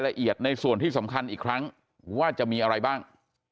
ละเอียดในส่วนที่สำคัญอีกครั้งว่าจะมีอะไรบ้าง